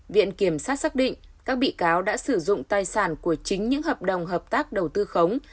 viện kiểm sát xác định các bị cáo đã sử dụng tài sản của chính những hợp đồng hợp tác đầu tư khống